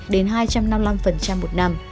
đến hai trăm năm mươi năm một năm